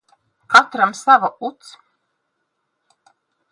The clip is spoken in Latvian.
Katram sava uts.